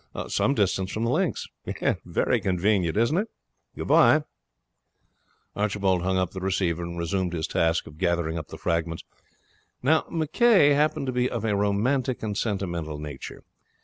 Some distance from the links. Yes, very convenient, isn't it? Good bye.' He hung up the receiver and resumed his task of gathering up the fragments. Now McCay happened to be of a romantic and sentimental nature.